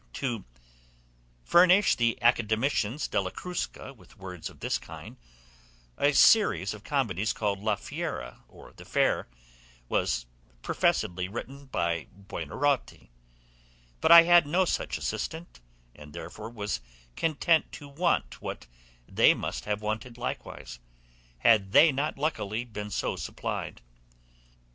To furnish the Academicians della Crusca with words of this kind, a series of comedies called La Fiera, or The Fair, was professedly written by Buonaroti; but I had no such assistant, and therefore was content to want what they must have wanted likewise, had they not luckily been so supplied.